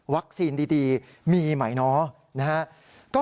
วัคซีนดีมีไหมเนาะ